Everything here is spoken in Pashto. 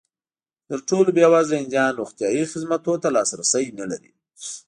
تر ټولو بېوزله هندیان روغتیايي خدمتونو ته لاسرسی نه لري.